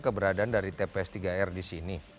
keberadaan dari tps tiga r di sini